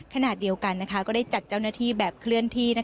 ขณะเดียวกันก็ได้จัดเจ้าหน้าที่แบบเคลื่อนที่